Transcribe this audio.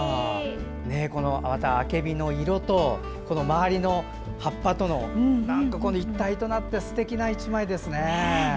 このあけびの色と周りの葉っぱが一体となってすてきな１枚ですね。